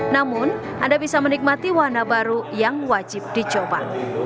namun anda bisa menikmati wahana baru yang wajib dicoba